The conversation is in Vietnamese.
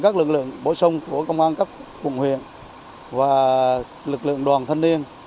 các lực lượng bổ sung của công an các quận huyện và lực lượng đoàn thanh niên